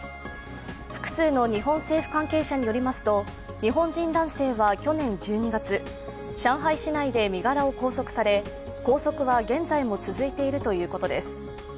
複数の日本政府関係者によりますと、日本人男性は去年１２月、上海市内で身柄を拘束され、拘束は現在も続いているということです。